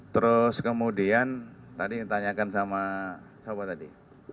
terus kemudian tadi ditanyakan sama sobat tadi